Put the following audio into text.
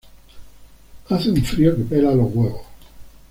Hace un frío que pela los huevos